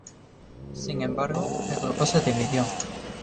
Sin embargo, el grupo se dividió.